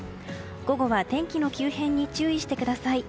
午後は天気の急変に注意してください。